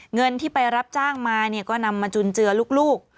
เงินที่ไปรับจ้างมาก็นำมาจุนเจือลูก